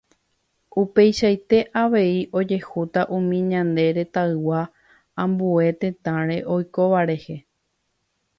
Upeichaite avei ojehúta umi ñane retãygua ambue tetãre oikóva rehe.